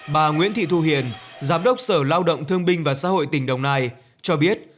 bà nguyễn thị thu hiền giám đốc sở lao động thương binh và xã hội tỉnh đồng nai cho biết